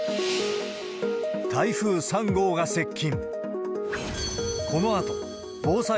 台風３号が接近。